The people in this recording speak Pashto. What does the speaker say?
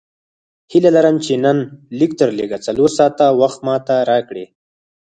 هیله لرم چې نن لږ تر لږه څلور ساعته وخت ماته راکړې.